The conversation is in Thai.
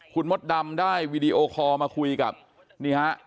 คุณมดดำได้วีดีโอคอลมาคุยกับนี่ฮะ